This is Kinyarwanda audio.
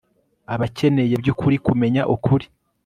Abakeneye byukuri kumenya ukuri